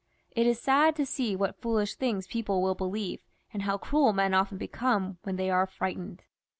It is sad to see what foolish things people wiU beUeve, and how cruel men often become when they are frightened.